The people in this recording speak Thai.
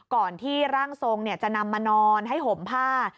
ก่อนที่ร่างทรงจะนำมานอนให้ห่มผ้า